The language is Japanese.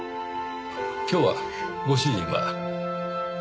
今日はご主人は？